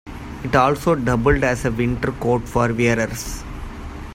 It also doubled as a winter coat for wearers.